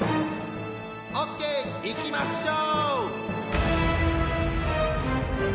オッケーいきましょう！